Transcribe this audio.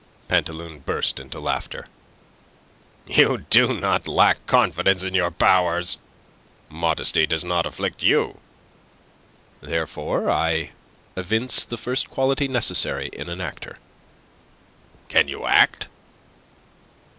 Pantaloon burst into laughter. "You do not lack confidence in your powers. Modesty does not afflict you." "Therefore I evince the first quality necessary in an actor." "Can you act?"